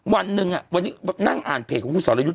วันหนึ่งวันนี้นั่งอ่านเพจของคุณสรยุทธ์